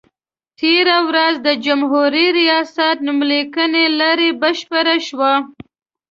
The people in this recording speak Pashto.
تېره ورځ د جمهوري ریاست نوم لیکنې لړۍ بشپړه شوه.